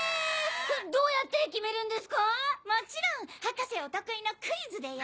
どうやって決めるんですか⁉もちろん博士お得意のクイズでよ。